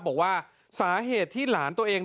บอกว่าสาเหตุที่หลานตัวเอง